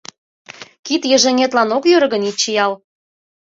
Кид йыжыҥетлан ок йӧрӧ гын, ит чиял.